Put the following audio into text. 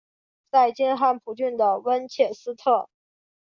在今汉普郡的温切斯特。